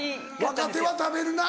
若手は食べるな。